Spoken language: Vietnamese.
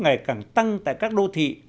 ngày càng tăng tại các đô thị